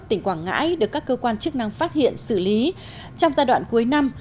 tỉnh quảng ngãi được các cơ quan chức năng phát hiện xử lý trong giai đoạn cuối năm